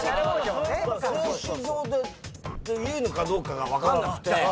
「製糸場」っていうのかどうかが分かんなくて。